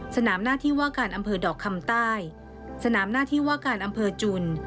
หน้าที่ว่าการอำเภอดอกคำใต้สนามหน้าที่ว่าการอำเภอจุน